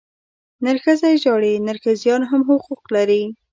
نرښځی ژاړي، نرښځيان هم حقوق لري.